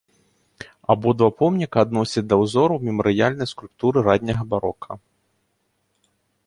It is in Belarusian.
Абодва помніка адносяць да ўзораў мемарыяльнай скульптуры ранняга барока.